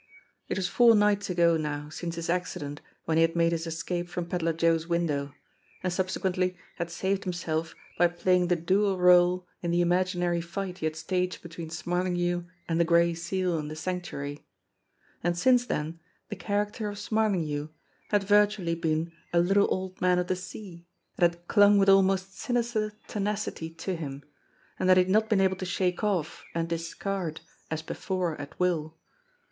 It was four nights ago now since his accident when he had made his escape from Pedler Joe's window, and subse quently had saved himself by playing the dual role in the imaginary fight he had staged between Smarlinghue and the Gray Seal in the Sanctuary ; and since then the character of Smarlinghue had virtually been a little Old Man of the Sea that had clung with almost sinister tenacity to him, and that he had not been able to shake off and discard as before at will.